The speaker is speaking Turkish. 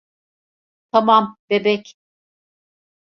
Tamam, bebek.